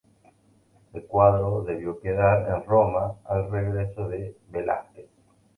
El cuadro debió de quedar en Roma al regreso de Velázquez.